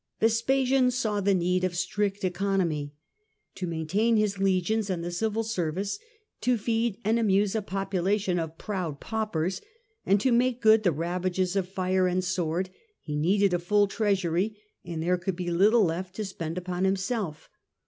Vespasian saw the need of strict economy. To maintain his legions and the civil service, to feed and amuse a population of proud paupers, and to make good the rgivages of fire and sword, he needed a full treasury, and there could be little left to spend upon himself.